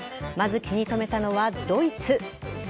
まず気にとめたのはドイツ。